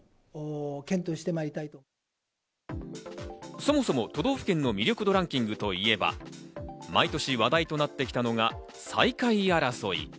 そもそも都道府県の魅力度ランキングといえば、毎年話題となってきたのが最下位争い。